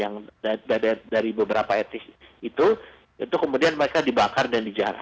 mereka juga hanya mereka kan